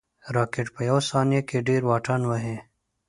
راکټ په یو ثانیه کې ډېر واټن وهي